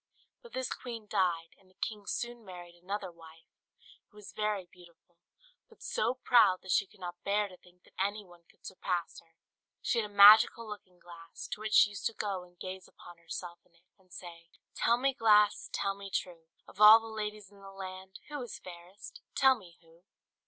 But this queen died; and the king soon married another wife, who was very beautiful, but so proud that she could not bear to think that any one could surpass her. She had a magical looking glass, to which she used to go and gaze upon herself in it, and say, "Tell me, glass, tell me true! Of all the ladies in the land. Who is fairest? Tell me who?"